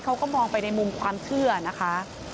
เขาก็มองไปในมุมความเชื่อนะคะ